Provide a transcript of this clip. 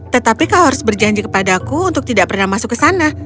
tetapi kau harus berjanji kepadaku untuk tidak pernah masuk ke sana